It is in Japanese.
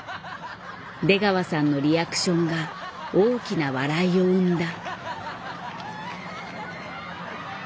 出川さんのリアクションが大きな笑いを生んだ。